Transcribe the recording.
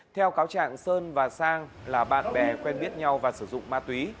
theo cáo trạng sơn và sang là bạn bè quen biết nhau và sử dụng ma túy